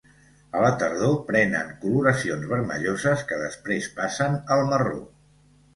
A la tardor prenen coloracions vermelloses que després passen al marró.